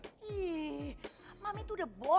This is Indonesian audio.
ih mami tuh udah bol